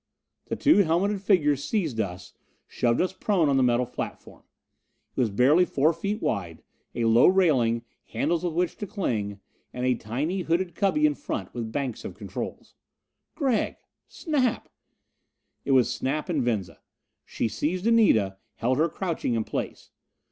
The two helmeted figures seized us, shoved us prone on the metal platform. It was barely four feet wide: a low railing, handles with which to cling, and a tiny hooded cubby in front, with banks of controls. "Gregg!" "Snap!" It was Snap and Venza. She seized Anita, held her crouching in place.